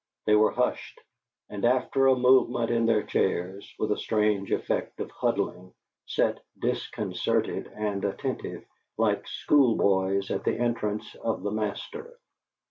They were hushed, and after a movement in their chairs, with a strange effect of huddling, sat disconcerted and attentive, like school boys at the entrance of the master.